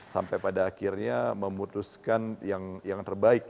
sampai pada akhirnya memutuskan yang terbaik